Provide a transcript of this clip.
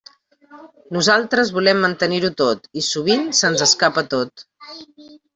Nosaltres volem mantenir-ho tot, i sovint se'ns escapa tot.